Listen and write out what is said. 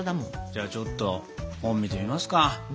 じゃあちょっと本見てますか。